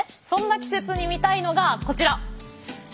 そんな季節に見たいのがこちら。